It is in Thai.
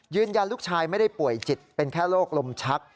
ยืนยันลูกชายไม่ได้ป่วยจิตเป็นแค่โรคลมชัก